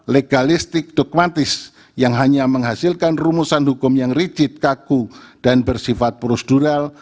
legalistik dokumentis yang hanya menghasilkan rumusan hukum yang rigid kaku dan bersifat prosedural